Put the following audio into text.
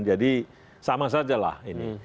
jadi sama sajalah ini